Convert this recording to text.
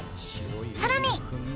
さらに！